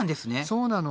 そうなの。